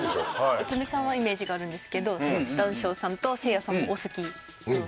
内海さんはイメージがあるんですけど談笑さんとせいやさんもお好き？